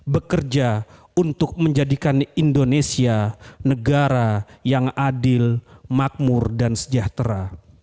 bekerja untuk menjadikan indonesia negara yang adil makmur dan sejahtera